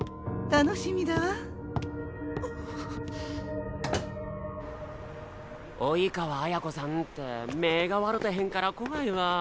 バタン生川綾子さんって目ぇが笑てへんから怖いわ。